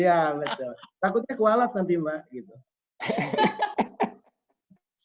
iya betul takutnya kualat nanti mbak gitu